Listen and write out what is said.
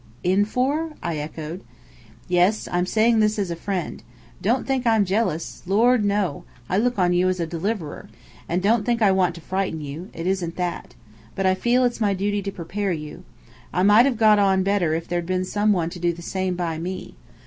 "In for?" I echoed. "Yes. I'm saying this as a friend. Don't think I'm jealous. Lord, no! I look on you as a deliverer. And don't think I want to frighten you. It isn't that. But I feel it's my duty to prepare you. I might have got on better if there'd been some one to do the same by me.